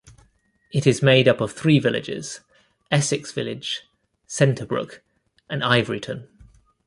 It is made up of three villages: Essex Village, Centerbrook, and Ivoryton.